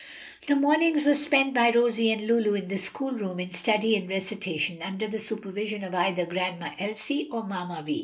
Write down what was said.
The mornings were spent by Rosie and Lulu in the school room in study and recitation, under the supervision of either "Grandma Elsie" or "Mamma Vi."